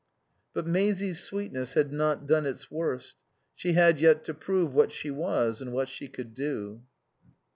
But Maisie's sweetness had not done its worst. She had yet to prove what she was and what she could do.